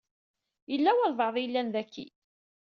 Yella walebɛaḍ i yellan daki.